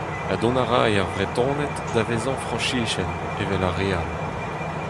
Ha dont a ray ar Vretoned da vezañ Frañsizien evel ar re all.